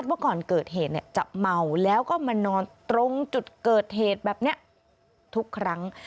ว่าก่อนเกิดเหตุจะเมาแล้วก็มานอนตรงจุดเกิดเหตุแบบนี้ทุกครั้ง